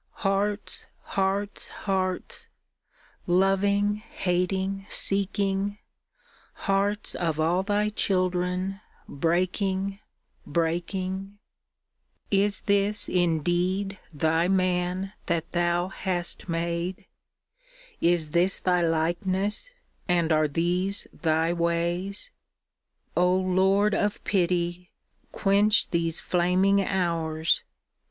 Hearts, hearts, hearts, loving, hating, seeking. Hearts of all Thy children, bretiking, breaking. THE SAD YEARS THE SAD YEARS {Continued) Is this, indeed, Thy man, that Thou hast made, Is this Thy likeness, and are these Thy ways? Oh, Lord of pity, quench these flaming hours.